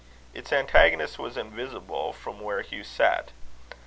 Its antagonist was invisible from where Hugh sat.